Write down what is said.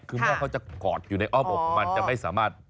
คือแม่เขาจะกอดอยู่ในอ้อมอกมันจะไม่สามารถ